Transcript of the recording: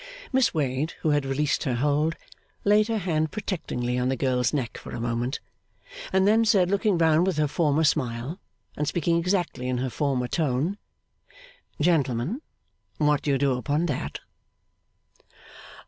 Miss Wade, who had released her hold, laid her hand protectingly on the girl's neck for a moment, and then said, looking round with her former smile and speaking exactly in her former tone, 'Gentlemen! What do you do upon that?